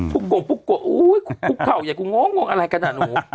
ปุ๊บโก่ปุ๊บโก่อุ๊ยปุ๊บเข่าอย่างกูง้องอะไรกันอ่ะนุ่ม